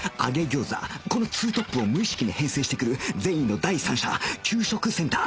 このツートップを無意識に編成してくる善意の第三者給食センター